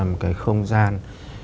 một cái không gian